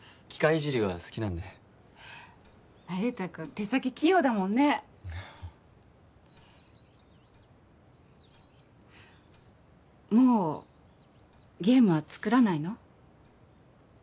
いじりは好きなんで那由他君手先器用だもんねもうゲームは作らないの？